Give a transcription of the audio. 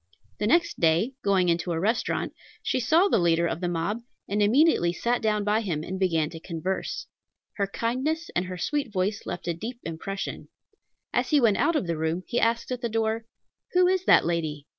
The next day, going into a restaurant, she saw the leader of the mob, and immediately sat down by him, and began to converse. Her kindness and her sweet voice left a deep impression. As he went out of the room, he asked at the door, "Who is that lady?"